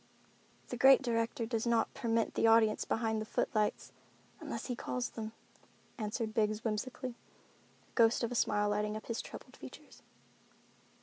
"The Great Director does not permit the audience behind the footlights, unless he calls them," answered Biggs whimsically, the ghost of a smile lighting up his troubled features.